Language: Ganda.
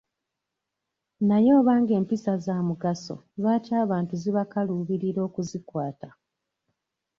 Naye obanga empisa za mugaso lwaki abantu zibakaluubirira okuzikwata.